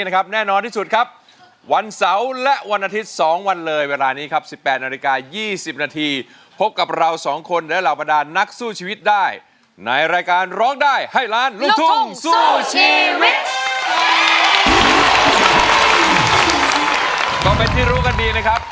ก็เป็นที่รู้กันดีนะครับ